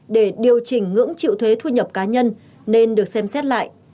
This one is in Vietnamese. để điều chỉnh ngưỡng chịu thuế thu nhập cá nhân nên được xem xét lại